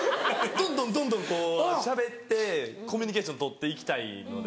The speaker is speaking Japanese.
どんどんどんどんこうしゃべってコミュニケーションとっていきたいので。